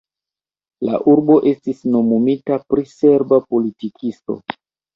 La urbo estis nomumita pri serba politikisto.